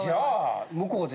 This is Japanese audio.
向こうで。